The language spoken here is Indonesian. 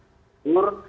kepala daerah tidak ditegur